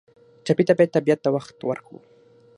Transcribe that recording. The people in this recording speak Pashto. ټپي ته باید طبیعت ته وخت ورکړو.